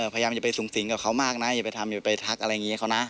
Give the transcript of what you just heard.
พยายามจะไปสูงสิงกับเขามากนะอย่าไปทำอย่าไปทักอะไรอย่างนี้เขานะ